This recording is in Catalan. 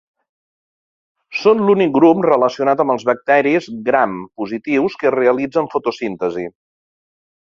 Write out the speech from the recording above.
Són l'únic grup relacionat amb els bacteris Gram positius que realitzen fotosíntesi.